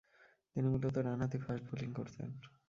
তিনি মূলতঃ ডানহাতি ফাস্ট বোলিং করতেন।